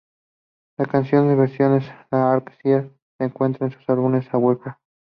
La canción versionada por L'Arc~en~Ciel se encuentra en su álbum Awake.